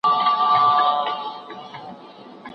ځم لکه غزل مي، په خپل ځان کي به شرنګېږمه